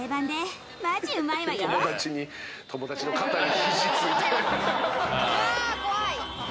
うわ怖い。